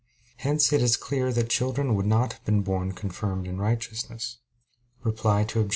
Hence it is clear that children would not have been born confirmed in righteousness. Reply Obj.